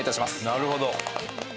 なるほど。